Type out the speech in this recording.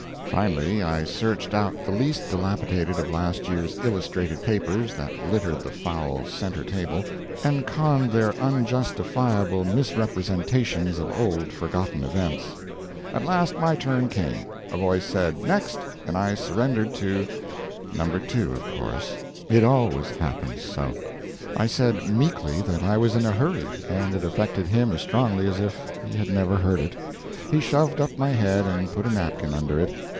Finally, I searched out the least dilapidated of last year's illustrated papers that littered the foul center table, and conned their unjustifiable misrepresentations of old forgotten events. At last my turn came. A voice said "Next!" and I surrendered to No. 2, of course. It always happens so. I said meekly that I was in a hurry, and it affected him as strongly as if he had never heard it. He shoved up my head, and put a napkin under it.